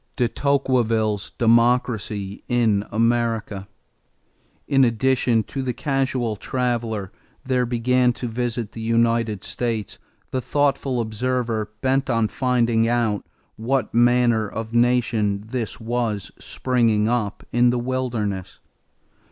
=De Tocqueville's Democracy in America.= In addition to the casual traveler there began to visit the United States the thoughtful observer bent on finding out what manner of nation this was springing up in the wilderness.